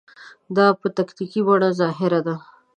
دا په تکتیکي بڼه ظاهري ده.